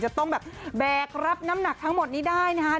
จะต้องแบบแบกรับน้ำหนักทั้งหมดนี้ได้นะครับ